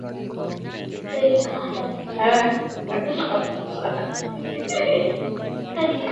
اور کوئی طریقہ نہیں ہے